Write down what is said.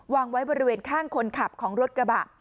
วางไว้บริเวณข้างคนขับของรถกระบะ